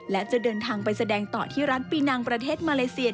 และจะเดินทางไปแสดงต่อที่ร้านปีนังประเทศมาเลเซีย